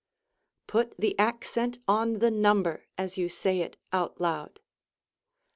Put the accent on the number as you say it out loud.